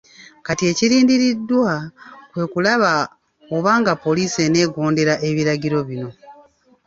Kati ekirindiddwa kwe kulaba oba nga poliisi eneegondera ebiragiro bino.